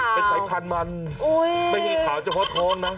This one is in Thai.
เป็นสายพันธุ์มันไม่ใช่ขาวเฉพาะท้องนะ